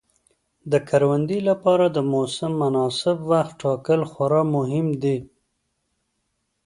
د کروندې لپاره د موسم مناسب وخت ټاکل خورا مهم دي.